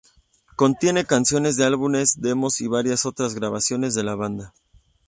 Contiene canciones de álbumes, demos y varios otras grabaciones de la banda.